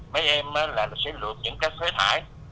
mấy em là sẽ lượt những cái xế thải